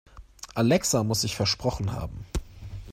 Alexa muss sich versprochen haben.